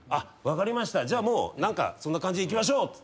「分かりましたじゃあ何かそんな感じでいきましょう」